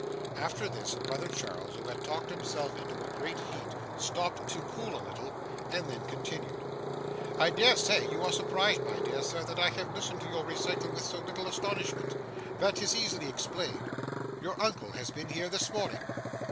After this, brother Charles, who had talked himself into a great heat, stopped to cool a little, and then continued: 'I dare say you are surprised, my dear sir, that I have listened to your recital with so little astonishment. That is easily explained. Your uncle has been here this morning.